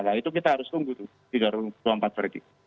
nah itu kita harus tunggu tuh di dua puluh empat perhitungan